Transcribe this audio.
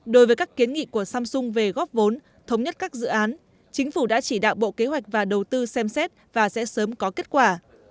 đối với các kiến nghị của samsung về góp vốn thống nhất các dự án chính phủ đã chỉ đạo bộ kế hoạch và đầu tư xem xét và sẽ sớm có kết quả